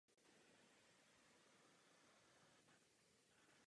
Byl několikrát hospitalizován v psychiatrické léčebně v Tartu.